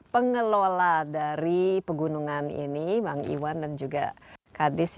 pengelola dari pegunungan ini bang iwan dan juga kadis